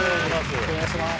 お願いします